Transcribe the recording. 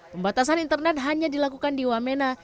pembatasan internet hanya dilakukan di wamena